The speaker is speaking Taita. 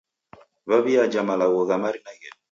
W'aw'iaja malagho gha marina ghedu.